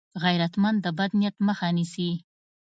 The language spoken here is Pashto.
غیرتمند د بد نیت مخه نیسي